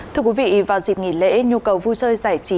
thưa quý vị vào dịp nghỉ lễ nhu cầu vui chơi giải trí